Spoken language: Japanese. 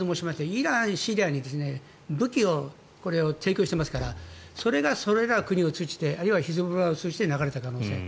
イラン、シリアに武器を提供していますからそれがそれらの国を通じてあるいはヒズボラを通じて流れた可能性。